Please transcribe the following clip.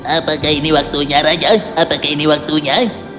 apakah ini waktunya raja apakah ini waktunya